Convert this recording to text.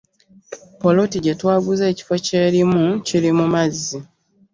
Poloti gyetwaguze ekifo kyerimu kiri mu mazzi.